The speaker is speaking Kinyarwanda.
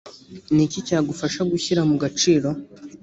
ni iki cyagufasha gushyira mu gaciro?